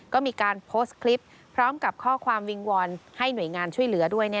ก็มีการโพสต์คลิปพร้อมกับข้อความวิงวอนให้หน่วยงานช่วยเหลือด้วย